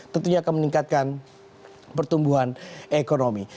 tentunya akan meningkatkan pertumbuhan ekonomi